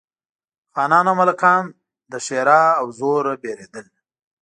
خانان او ملکان له ښرا او زور بېرېدل.